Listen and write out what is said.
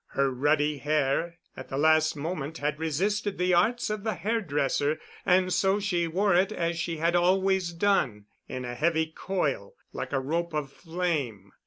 Her ruddy hair at the last moment had resisted the arts of the hair dresser, and so she wore it as she had always done, in a heavy coil like a rope of flame.